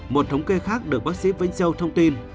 một thống kê khác được bác sĩ vĩnh châu thông tin